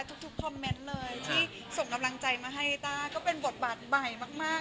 ทุกคอมเมนต์เลยที่ส่งกำลังใจมาให้ต้าก็เป็นบทบาทใหม่มาก